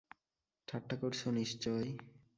ঠাট্টা করছ নিশ্চয়ই।